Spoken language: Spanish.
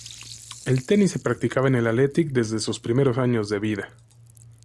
El tenis se practicaba en el Athletic desde sus primeros años de vida.